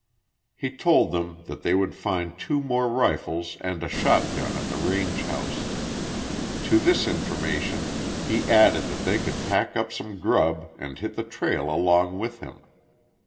He told them that they would find two more rifles and a shotgun at the range house. To this information he added that they could pack up some grub and hit the trail along with him.